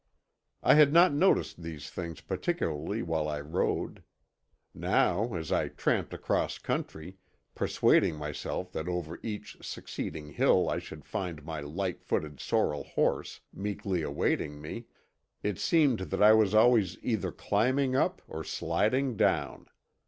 I had not noticed these things particularly while I rode. Now, as I tramped across country, persuading myself that over each succeeding hill I should find my light footed sorrel horse meekly awaiting me, it seemed that I was always either climbing up or sliding down.